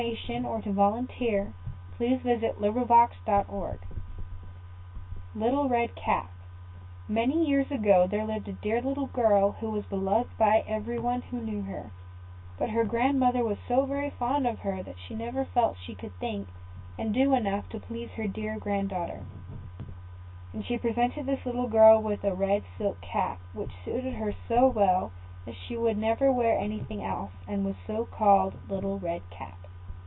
Thus the Tailor became a King, and so he lived for the rest of his life. LITTLE RED CAP Many years ago there lived a dear little girl who was beloved by every one who knew her; but her grand mother was so very fond of her that she never felt she could think and do enough to please this dear grand daughter, and she presented the little girl with a red silk cap, which suited her so well, that she would never wear anything else, and so was called Little Red Cap.